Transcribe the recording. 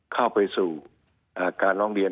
เข้าไปสู่การร้องเรียน